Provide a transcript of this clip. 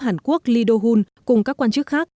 hàn quốc lee do hun cùng các quan chức khác